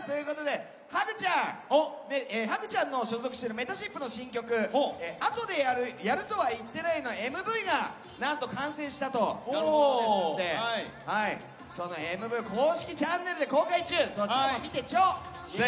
ハグちゃんの所属しているめたしっぷの新曲「あとでやる」のＭＶが何と完成したということでそのＭＶを公式チャンネルで公開中なのでそちらも見てちょ！